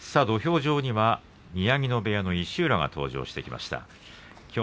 土俵上には宮城野部屋の石浦が上がってきました。